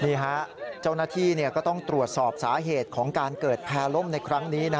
เจ้าหน้าที่ก็ต้องตรวจสอบสาเหตุของการเกิดแพร่ล่มในครั้งนี้นะ